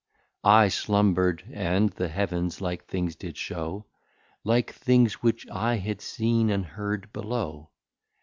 I slumbr'd; and the Heavens like things did show, Like things which I had seen and heard below.